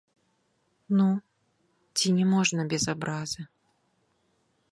Ну, ці не можна без абразы.